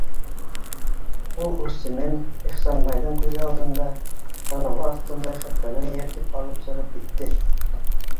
Ул үрсемен Ихсанбайҙың күҙе алдында, танауы аҫтында ихатанан эйәртеп алып сығып китте!